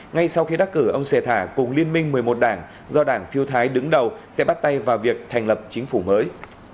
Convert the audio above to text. ngay sau khi đắc cử ông xe thả cùng liên minh một mươi một đảng do đảng phiêu thái đứng đầu sẽ bắt tay vào việc thành lập chính phủ mới